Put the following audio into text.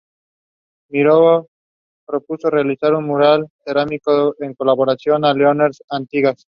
Miró propuso realizar un mural cerámico en colaboración con Llorens Artigas.